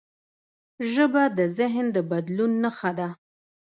ژبه د ذهن د بدلون نښه ده.